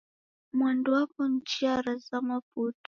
Mwanduu wapo chia ra zama putu